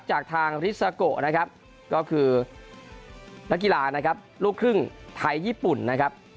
จากทางริซาโกนะครับก็คือนักกีฬานะครับลูกครึ่งไทยญี่ปุ่นนะครับ